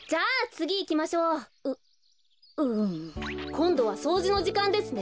こんどはそうじのじかんですね。